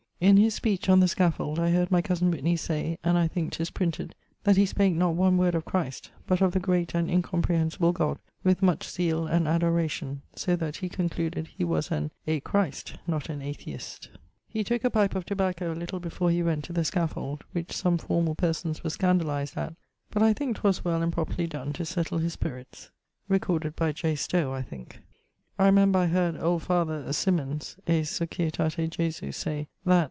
In his speech on the scaffold, I heard my cosen Whitney say (and I thinke 'tis printed) that he spake not one word of Christ, but of the great and incomprehensible God, with much zeale and adoration, so that he concluded he was an a christ, not an atheist. He tooke[LXXIV.] a pipe of tobacco a little before he went to the scaffold, which some formall persons were scandalized at, but I thinke 'twas well and properly donne, to settle his spirits. [LXXIV.] J. Stowe, I thinke. I remember I heard old father ... Symonds (è Societate Jesu) say, that